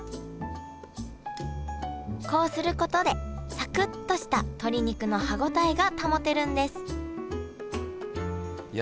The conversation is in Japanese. こうすることでサクっとした鶏肉の歯応えが保てるんですいや